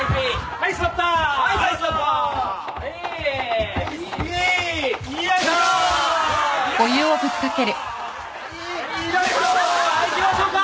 はいいきましょうか。